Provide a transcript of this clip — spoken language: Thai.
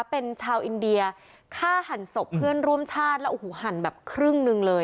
เป็นชาวอินเดียฆ่าหันศพเพื่อนร่วมชาติแล้วโอ้โหหั่นแบบครึ่งหนึ่งเลย